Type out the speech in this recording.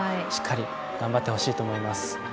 しっかり頑張ってほしいです。